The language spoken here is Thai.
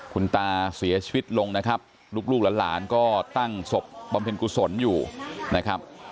คุณตาเสียชีวิตลงนะครับลูกหลานก็ตั้งศพบำเพ็ญกุศลอยู่นะครับ